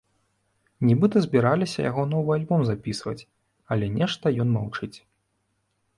Нібыта збіраліся яго новы альбом запісваць, але нешта ён маўчыць.